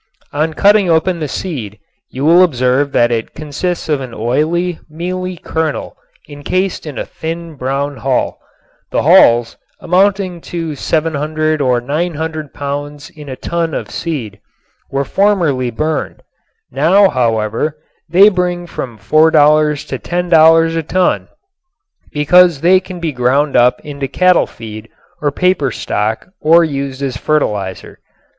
On cutting open the seed you will observe that it consists of an oily, mealy kernel encased in a thin brown hull. The hulls, amounting to 700 or 900 pounds in a ton of seed, were formerly burned. Now, however, they bring from $4 to $10 a ton because they can be ground up into cattle feed or paper stock or used as fertilizer.